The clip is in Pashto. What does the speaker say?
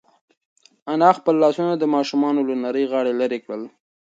انا خپل لاسونه د ماشوم له نري غاړې لرې کړل.